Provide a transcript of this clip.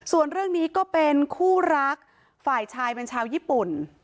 ส่วนเรื่องนี้ก็เป็นคู่รักฝ่ายชายเป็นชาวญี่ปุ่น